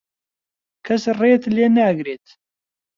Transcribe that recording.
کەس ڕێت لێ ناگرێت.